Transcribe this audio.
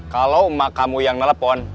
kalau emak kamu yang ngelepon